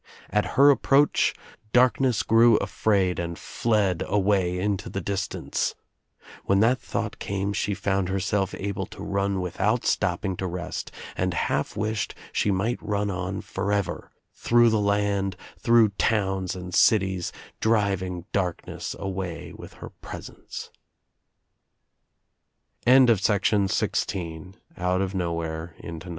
At her approach darkness grew afraid and fled away into the distance. When that thought came she found herself able to run without stopping to rest and half wished she might run on forever, through the land, through towns and cities, driving darkness away with her presen